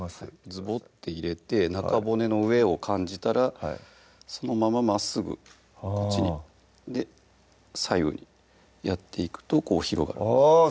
ズボッて入れて中骨の上を感じたらそのまままっすぐこっちに左右にやっていくとこう広がるあぁ